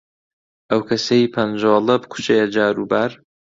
ئەو کەسەی پەنجۆڵە بکوشێ جاروبار،